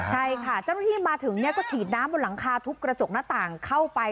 เจ้าชีวิตมาถึงก็ฉีดน้ำบนหลังคาทุบกระจกหน้าตามเข้าไป